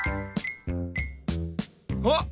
あっ！